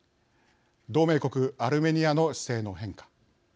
同盟国アルメニアの姿勢の変化